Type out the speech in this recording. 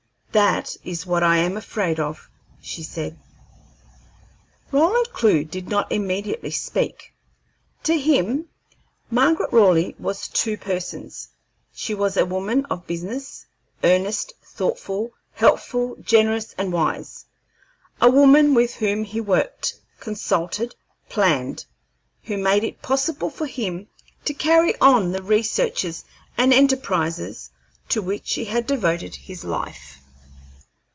"That is what I am afraid of," she said. Roland Clewe did not immediately speak. To him Margaret Raleigh was two persons. She was a woman of business, earnest, thoughtful, helpful, generous, and wise; a woman with whom he worked, consulted, planned, who made it possible for him to carry on the researches and enterprises to which he had devoted his life.